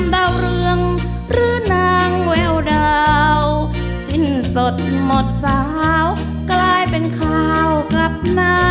ดาวเรืองหรือนางแววดาวสิ้นสดหมดสาวกลายเป็นข่าวกลับหน้า